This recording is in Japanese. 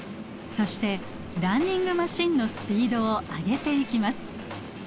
そしてランニングマシンのスピードを上げていきます。